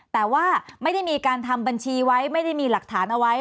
แต่ว่าไม่ได้มีการทำบัญชีไว้ไม่ได้มีหลักฐานเอาไว้